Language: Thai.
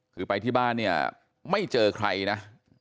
คือไปที่บ้านเนี่ยไม่เจอใครนะ